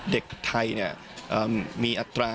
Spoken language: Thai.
เด็กไทยมีอัตรา